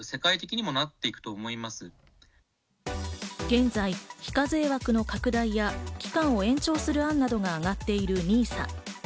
現在、非課税枠の拡大や期間を延長する案などが挙がっているＮＩＳＡ。